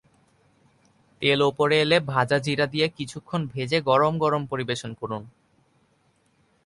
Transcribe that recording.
তেল ওপরে এলে ভাজা জিরা দিয়ে কিছুক্ষণ ভেজে গরম গরম পরিবেশন করুন।